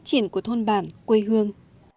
phát triển của thôn bảng quê hương